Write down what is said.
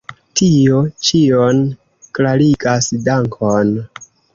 Tio ĉion klarigas, dankon!